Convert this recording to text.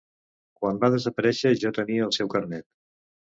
Quan va desaparèixer jo tenia el seu carnet.